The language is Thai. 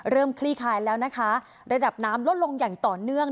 คลี่คลายแล้วนะคะระดับน้ำลดลงอย่างต่อเนื่อง